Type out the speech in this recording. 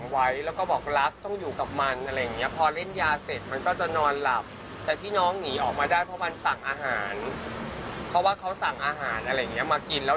ส่วนตัวของคุณเฟรมในหลังจากที่ติดตามข่าวมาแล้ว